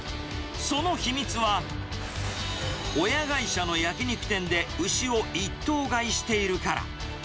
その秘密は、親会社の焼き肉店で牛を一頭買いしているから。